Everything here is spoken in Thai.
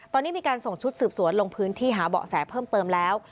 ตอนนี้มีการส่งชุดสืบสวนลงพื้นที่หาเบาะแสเพิ่มเติมแล้ว